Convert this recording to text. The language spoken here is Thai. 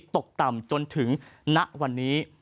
ตกต่ำจนถึงณวันนี้